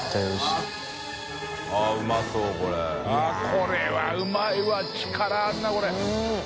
これはうまいわ力あるなこれ。